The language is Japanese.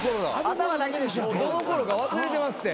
どのころか忘れてますって。